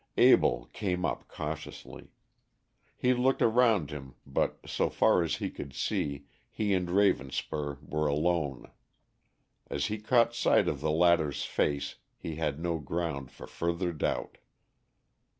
Abell came up cautiously. He looked around him, but so far as he could see he and Ravenspur were alone. As he caught sight of the latter's face he had no ground for further doubt.